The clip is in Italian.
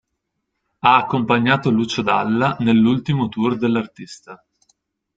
Ha accompagnato Lucio Dalla nell'ultimo tour dell'artista.